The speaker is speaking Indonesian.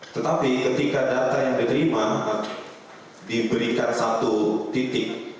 tetapi ketika data yang diterima diberikan satu titik